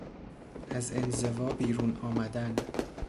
از انزوا بیرون آمدن